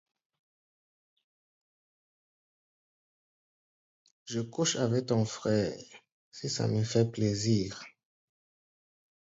Je couche avec ton frère, si ça me fait plaisir.